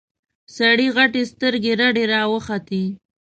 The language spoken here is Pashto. سړي غتې سترګې رډې راوختې.